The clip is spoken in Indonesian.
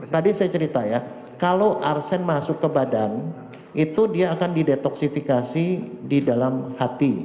tadi saya cerita ya kalau arsen masuk ke badan itu dia akan didetoksifikasi di dalam hati